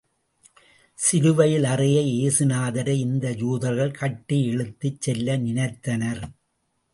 சிலுவையில் அறைய ஏசு நாதரை இந்த யூதர்கள் கட்டி இழுத்துச் செல்ல நினைத்தனர்.